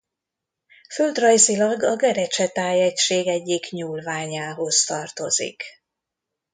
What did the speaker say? Földrajzilag a Gerecse tájegység egyik nyúlványához tartozik.